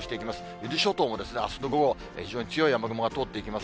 伊豆諸島もあすの午後、非常に強い雨雲が通っていきます。